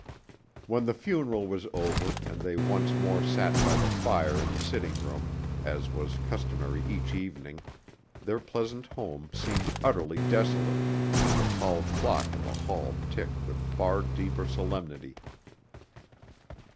When the funeral was over and they once more sat by the fire in the sitting room, as was customary each evening, their pleasant home seemed utterly desolate, and the tall clock in the hall ticked with far deeper solemnity.